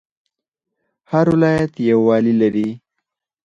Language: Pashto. هر ولایت یو والی لري